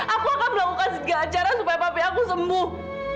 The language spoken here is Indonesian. aku akan melakukan segala cara supaya babi aku sembuh